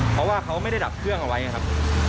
เพราะว่าเขาไม่ได้ดับเครื่องเอาไว้ครับ